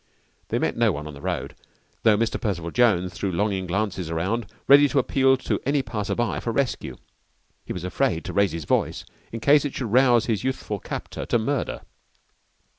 They met no one on the road, though Mr. Percival Jones threw longing glances around, ready to appeal to any passer by for rescue. He was afraid to raise his voice in case it should rouse his youthful captor to murder.